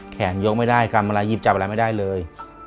แขนยกไม่ได้กรรมลายยิบจับอะไรไม่ได้เลย